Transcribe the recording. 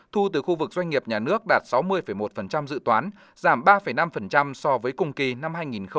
thu từ khu vực doanh nghiệp nhà nước đạt sáu mươi một dự toán giảm ba năm so với cùng kỳ năm hai nghìn một mươi chín